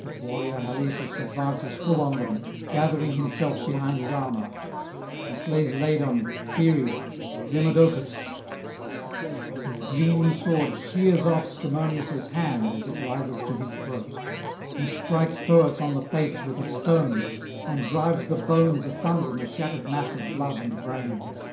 But warrior Halesus advances full on them, gathering himself behind his armour; he slays Ladon, Pheres, Demodocus; his gleaming sword shears off Strymonius' hand as it rises to his throat; he strikes Thoas on the face with a stone, and drives the bones asunder in a shattered mass of blood and brains.